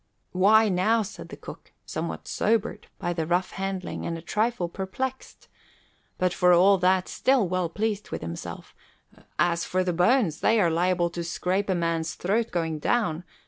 "Why, now," said the cook, somewhat sobered by rough handling and a trifle perplexed, but for all that still well pleased with himself, "as for the bones, they are liable to scrape a man's throat going down.